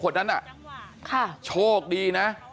คนนั้นน่ะค่ะโชคดีนะ